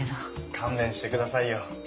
勘弁してくださいよ。